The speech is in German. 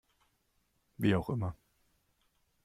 Wie auch immer.